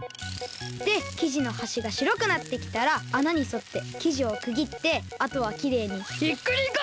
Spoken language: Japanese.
できじのはしがしろくなってきたらあなにそってきじをくぎってあとはきれいにひっくりかえす！